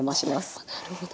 おなるほど。